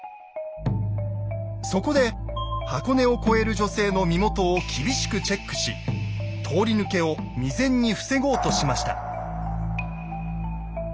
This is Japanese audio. そこで箱根を越える女性の身元を厳しくチェックし通り抜けを未然に防ごうとしました。